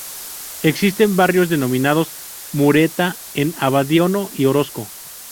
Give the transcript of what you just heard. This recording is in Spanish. Existen barrios denominados Murueta en Abadiano y Orozco.